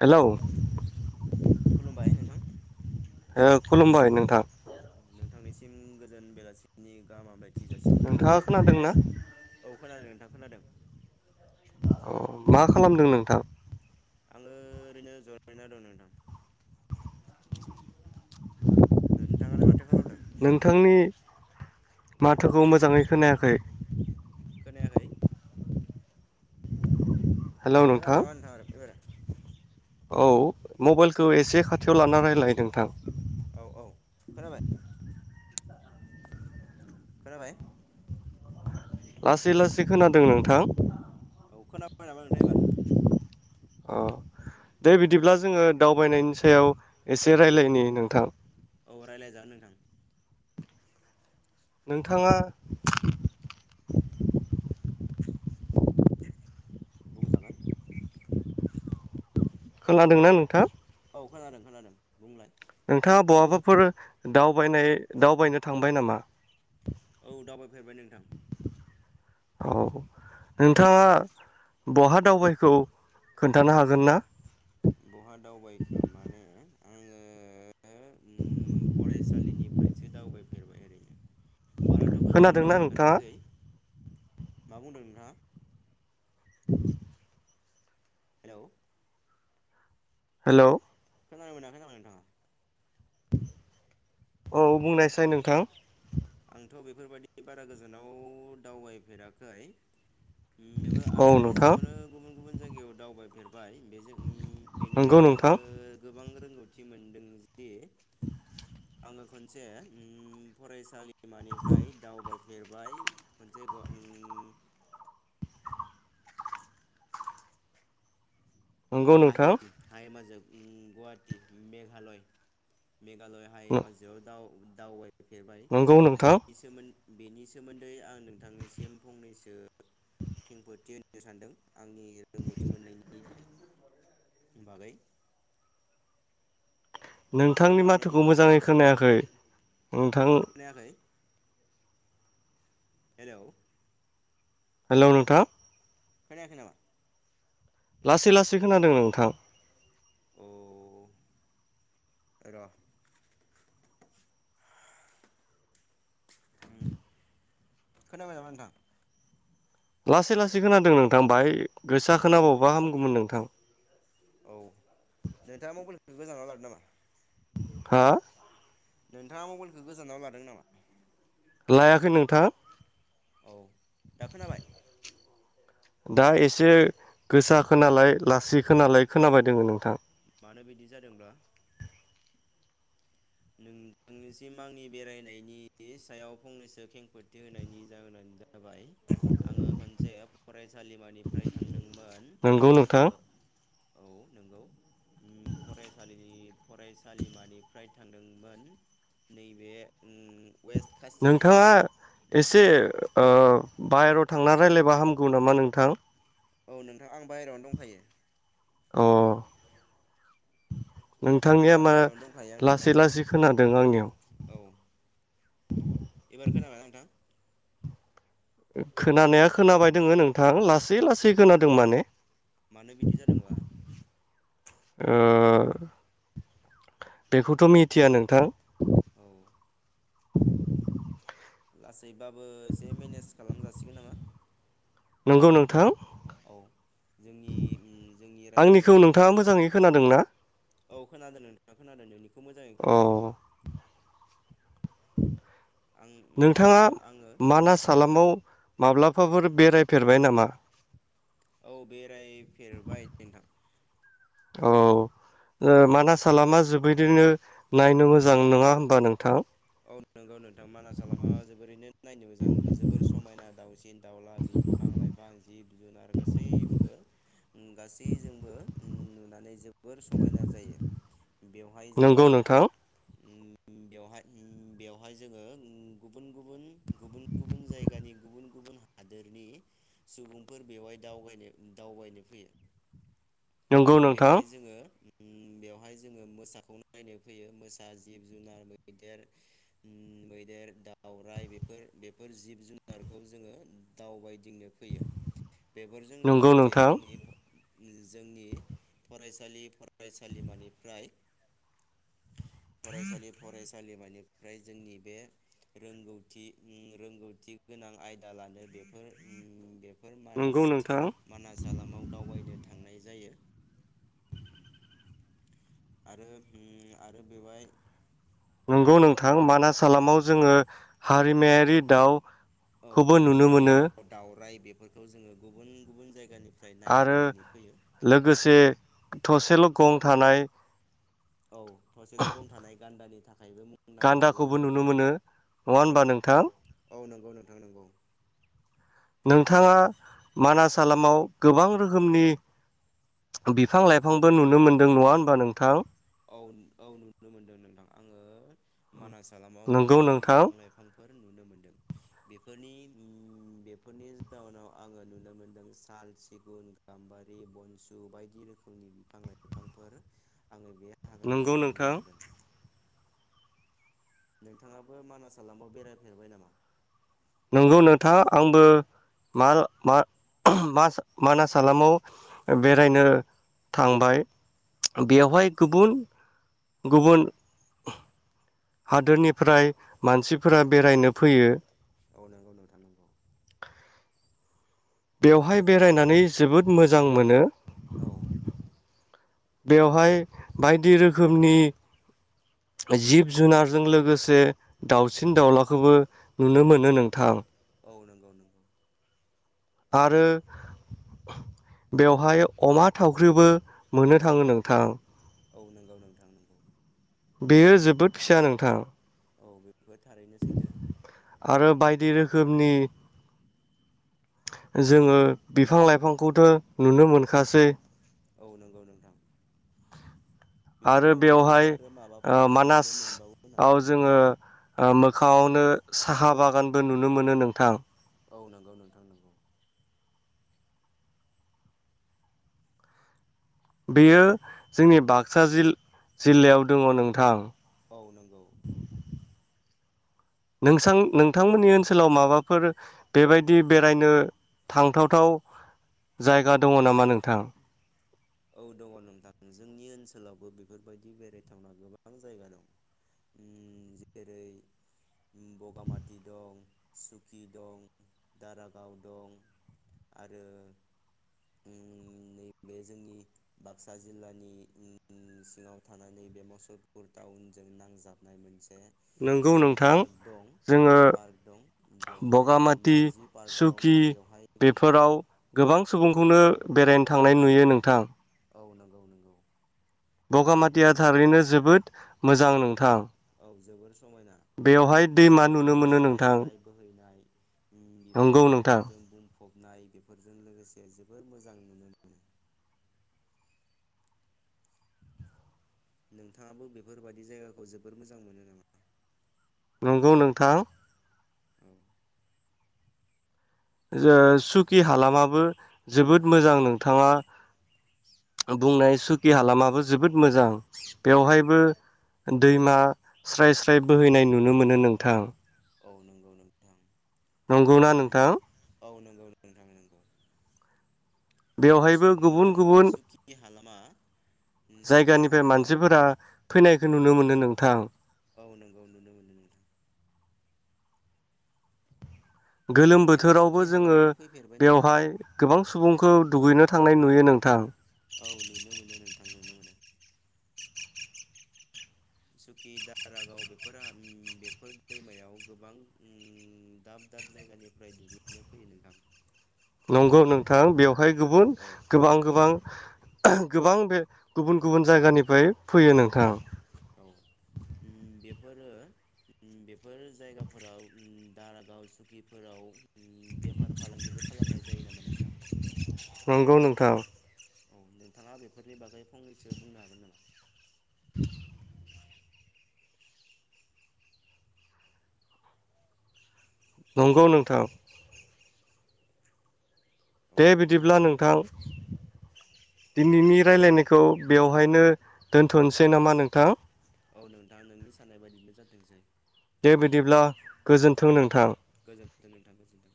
Hello. खुलुमबाय नोंथां। खुलुमबाय नोंथां। औ नोंथांनिसिम गोजान बेलासिनि गाहामलायथि जाासि हरनाय नोंथाङा थाबाय खोनादोंना औ। खोनादों नोंथां खोनादों। अ मा खालामदों नोंथां? आङो ओरैनो जरायना दं नोंथां। नोंथाङालाय माथो खालामदों? नोंथांनि माथोखौ मोजाङै खोनायाखै। खोनायाखै? खोनाबाय नामा नोंथां एबारो? औ मबाइलखौ एसे खाथियाव लानानै रायलाय नोंथां। औ औ खोनाबाय खोनाबाय? लासै लासै खोनादों नोंथां। औ खोनाबाय नामा नोंथां एबार? अ दे बिदिब्ला जोङो दावबायनायनि सायाव एसे रायलायनि नोंथां। औ रायलायजागोन नोंथां। नोंथाङा बुंजागोन। खोनादोंना नोंथां? औ खोनादों खोनादों बुंलाय। नोंथाङा बहाबाफोर दावबायनाय दावबायनो थांबाय नामा? औ दावबायफेरबाय नोंथां। औ नोंथाङा बहा दावबायखो खोन्थानो हागोन ना? बहा दावबायखो माने आङो उम फरायसालिनिफ्रायसो दावबायफेरबाय ओरैनो। बाराथ गोजानाव खोनादोंना नोंथाङा दावबायफेराखै। मा बुंदों नोंथाङा? [unintelligible] हेलौ। हेल' खोनानो मोना खोनानो नोंथाङा औ बुंनायसाय नोंथां। आंथ' बेफोरबायदि बारा गोजानाव दावबायफेराखै। बेफोर औ आसामनि नोंथां सिङावनो गुबुन गुबुन जायगायाव दावबाय बेनिफ्राय बे जोंनि नंगौ बेनिफ्राय आङो नोंथां गोबां रोंगौथि मोनदों जुदि ओखनसे फरायसालि दैमानिफ्राय दावबाय बेरबाय खनसे [unintelligible] नंगौ नोंथां हाहि हाय मा जोब गुवाहाटि मेघालय मेघालय हायो माजेयाव दाउ दावबायनो फेरबाय नंगौ नोंथां बेनि सोमोन्दै बेनि सोमोन्दै आं नोंथांनिसिम फंनैसो खेंफोरथि होनो सानदों आंनि रोंगौथि मोननायनि बागै नोंथांनि खोनादोंना माथोखौ नोंथाङा? मोजाङै खोनायाखै नोंथां खोनायाखै हेल' हेल' नोंथां खोनायाखै नामा? लासै लासै खोनादों नोंथां औ खोनबाय नाबा नोंथां? लासै लासै खोनादों नोंथां बाहाय गोसा खोनाबावबा हामगौमोन नोंथां औ नोंथाङा मबाइलखौ गोजानाव लादो नामा? हा नोंथाङा मबाइलखौ गोजानाव लादों नामा? लायाखै नोंथाङ। औ दा खोनाबाय दा एसे गोसा खोनालाय लासै खोनालाय खोनाबाय दङ नोंथां मानो बिदि जादोंबा नोंथांनिसिम आंनि बेरायनायनि सायाव फंनैसो खेंफोरथि होनायनि जाहोनानो जाबाय जाबाय आङो खनसे [unintelligible] फराय फरायसालिमानिफ्राय थांदोंमोन नंगौ नोंथां औ नंगौ फरायसालिनि फरायसालिमानिफ्राय थांदोंमोन नैबे उम वेस्ट खासि हिल नोंथाङा एसे ओ बाहेरायाव थांना रायज्लायबा हामगौ नामा नोंथां औ नोंथां आं बाहेरायावनो दंखायो। अह [inaudible] नोंथांनिया मा बाहेरायावनो दंखायो आं लासै नोंथां लासै खोनादों आंनियाव। औ एबार खोनाबायना नोंथां खोनानाया खोनाबाय दोङो नोंथां लासै लासै खोनादों माने। मानो बिदि जादोंबा। ओ बेखौथ' मिथिया नोंथां। औ [unintelligible] लासैबाबो एसे मेनेज खालामजासिगोन नामा। नंगौ नोंथां औ जोंनि ओम जोंनि आंनिखौ नोंथाङा रायलायनांगौखिनिखौ मोजाङै खोनादोंना औ खोनादों नोंथाङा खोनादों नोंनिखौ मोजाङै अ खोनादों। आं नोंथाङा उम आङो मानास हालामाव माब्लाबा फोर बेरायफेरबाय नामा? औ बेरायफेरबाय नोंथां। औ ओ मानास हालामा जोबोरैनो नायनो मोजां नङा होमबा नोंथां? औं नोंगौ नोंथां मानास हालामा जोबोरैनो नायनो मोजां जोबोर समायना दावसिन दाउला बिफां लाइफां जिब जुनार गासैबो गासैजोंबो ओम नुनानै जों जोबोर समायना जायो बेवहाय जोङो नंगौ नोंथां ओम बेवहाय ओम बेवहाय जोङो ओम गुबुन गुबुन गुबुन गुबुन जायगानि गुबुन गुबुन हादोरनि सुबुंफोर बेवहाय दावबायनो दावबायनो फैयो। नंगौ नोंथां बेवहाय जोङो ओम ओम बेवहाय जोङो मोसाखौ नायनो फैयो मोसा जिब जुनार मैदेर ओम मैदेर दउराइ बेफोर बेफोर जिब जुनारखौ जोङो दावबायदिं नो फैयो। बेफोरजों नंगौ लोगोसे नोंथां जोंनि जोंनि फरायसालि फराय सालिमानिफ्राय फरायसालि फरायसालिमानिफ्राय जोंनि बे रोंगौथि ओम रोंगौथि गोनां आयदा लानो बेफोर ओम बे फोर नंगौ मानास नोंथां मानास हालामाव दावबायनो थांनाय जायो। आरो ओम आरो बेवहाय नंगौ नोंथां मानास हालामाव जोङो हारिमायारि दाउ औ खौबो नुनो हारिमायारि मोनो दाउ दाउराय बे फोरखौ जोङो गुबुन गुबुन जायगानि आरो लोगोसे थसेल' गं थानाय औ थसेल' गं थानाय गान्दानि थाखायबो मुंदांखा बे गान्दाखौबो नुनो हाग्रामाया मोनो नङा औ होनबा नोंथां? औ नोंगौ नोंथां नोंगौ नोंथाङा मानास हालामाव गोबां रोखोमनि बिफां लाइफांबो नुनो मोनदों नङा होनबा नोंथां? औ औ नुनो मोनदों नोंथां आङो मानास हालामाव नंगौ गोबां बिफां नोंथां लाइफांफोर नुनो मोनदों बे फोरनि उम बेफोरनि जाउनाव आङो नुनो मोनदों साल सिगुन गाम्बारि बनसु बायदि रोखोमनि बिफां लाइफांफोर आङो बे नोंगौ हाग्रामायाव नुनो नोंथां मोनदों नोंथाङाबो मानास हालामाव बेरायफेरबाय नामा? नोंगौ नोंथां आंबो माल-मा-मास-मानास हालामाव बेरायनो थांबाय औ बेवहाय गुबुन गुबुन हादोरनिफ्राय औ मानसिफोरा औ बेरायनो फैयो। औ नंगौ नोंथां नंगौ बेवहाय बेरायनानै जोबोद मोजां मोनो औ बेवहाय बायदि रोखोमनि जिब जुनारजों लोगोसे दाउसिन दाउलाखौबो नुनो मोनो नोंथां। औ नोंगौ नोंगौ आरो बेवहाय अमा थावख्रिबो मोननो थाङो नोंथां। औ नोंगौ नोंथां नोंगौ बेयो जोबोद फिसा नोंथां औ बे आरो बायदि रोखोमनि जोङो बिफां लाइफांखौथ' नुनो मोनखासै। औ नोंगौ नोंथां आरो बेफोरनि अनगायैबो बेवहाय आरो ओ माबाफोर मानास नुनो मोनबावो नामा? आव जोङो ओ मोख खांआवनो साहा बागानबो नुनो मोनो नोंथां। औ नोंगौ नोंथां नोंगौ। बेयो जोंनि बाक्सा जिल-जिल्लायाव दङ नोंथां। औ नोंगौ। नोंसां नोंथांमोननि ओनसोलाव माबाफोर बेबायदि बेरायनो थांथावथाव जायगा दङ नामा नोंथां? औ दङ नोंथां जोंनि ओनसोलावबो बेफोरबायदि बेरायथावना गोबां जायगा दं उम जेरै उम बगामाथि दं सुकि दं दारागाव दं आरो उम नैबे जोंनि बाक्सा जिल्लानि उम सिङाव थानानै बे मसलपुर टाउनजों नांजाबनाय मोनसे नोंगौ उम नोंथां पार्क दं जोङो पार्क दं बेवहाय बगामाथि मावजि पार्क दं सुकि बेवहाय गोबां बेफोराव गोबां सुबुंखौनो बेरायनो थांनाय नुयो नोंथां। औ नोंगौ नोंगौ। बेवहाय बगामाथिया गोबां थारैनो जोबोद मोजां नोंथां औ जोबोर समायना बेवहाय दैमा बेवहाय नुनो दै मोनो स्राय नोंथां स्राय बोहैनाय उम बिफां नंगौ नोंथां लाइफांजों बुंफ फबनाय बेफोरजों लोगोसे जोबोर मोजां नुनो मोनो नोंथाङाबो बेफोरबायदि जायगाखौ जोबोर मोजां मोनो नामा नंगौ नोंथां औ जो सुकि हालामाबो जोबोद मोजां नोंथाङा बुंनाय सुकि हालामाबो जोबोद मोजां बेवहायबो अम दैमा स्राय स्राय बोहैनाय नुनो मोनो नोंथां। औ नंगौ नोंथां। नंगौना नोंथां? गावनो थांनांगौ। बेवहायबो गुबुन गुबुन। खालामा। जायगानिफ्राय मानसिफोरा फैनायखौ नुनो मोनो नों नोंथां। औ नंगौ नुनो मोनो नोंथां। गोलोम नोंथाङा बोथोरावबो सुकि जोङो हालामाव फैफेरबाय नामा? बेवहाय गोबां सुबुंखौ दुगैनो थांनाय नुयो नोंथां। औ नुनो मोनो नोंथां नुनो मोनो। सुकि दारागाव बेफोर बेफोर दैमायाव गोबां ओं दाब दाब जायगानिफ्राय दुगैनो फैयो नोंथां। नंगौ नोंथां बेयाव बेवहाय गुबुन औ गोबां गोबां। गोबां बे गुबुन गुबुन जायगानिफ्राय फैयो नोंथां। औ ओम बेफोरो ओम बेफोरो जायगाफोराव ओम दारागाव सुकिफोराव ओम बेफार फालांगिबो खालामनाय जायो नामा नोंथां? थाउ। औ नोंथाङा बेफोरनि बागै फंनैसो बुंनो हागोन नामा? [inaudible] नंगौ नोंथां। औ दे बिदिब्ला नोंथाङा नोंथां। दिनैनि रायलायनायखौ बेवहायनो दोनथ'नोसै नामा नोंथां औ नोंथाङा नोंनि साननाय बायदिनो जाथोंसै। दे बिदिब्ला। गोजोन्थों नोंथां। गोजोनथों गोजोनथों।